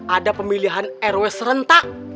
ada pemilihan rw serentak